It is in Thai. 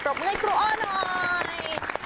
ตกมึงให้ครูอ้อหน่อย